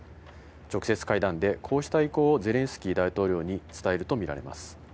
直接会談で、こうした意向をゼレンスキー大統領に伝えると見られます。